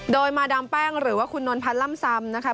โดยมาดามแป้งหรือว่าคุณนวลพันธ์ล่ำซำนะคะ